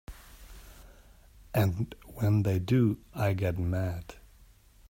And when they do I get mad.